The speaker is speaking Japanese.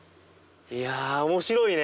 ．いや面白いね。